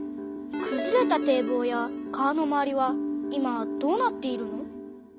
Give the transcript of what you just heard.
くずれた堤防や川の周りは今どうなっているの？